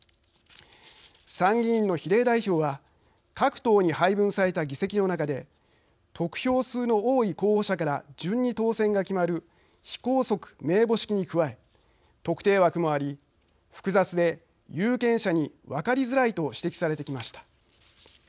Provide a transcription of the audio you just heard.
参議院の比例代表は各党に配分された議席の中で得票数の多い候補者から順に当選が決まる非拘束名簿式に加え特定枠もあり複雑で有権者に分かりづらいと指摘されてきました。